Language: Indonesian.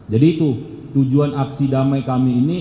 jadi itu tujuan aksi damai kami ini